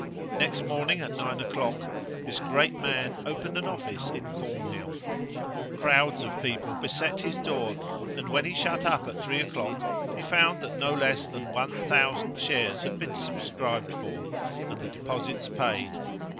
Next morning, at nine o'clock, this great man opened an office in Cornhill. Crowds of people beset his door, and when he shut up at three o'clock, he found that no less than one thousand shares had been subscribed for, and the deposits paid.